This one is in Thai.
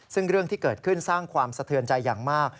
ซึ่งเรื่องที่เกิดขึ้นสร้างความสะเทือนใจอย่างมาก